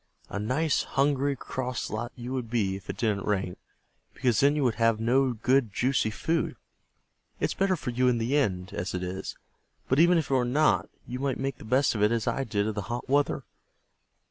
A nice, hungry, cross lot you would be if it didn't rain, because then you would have no good, juicy food. It's better for you in the end as it is, but even if it were not, you might make the best of it as I did of the hot weather.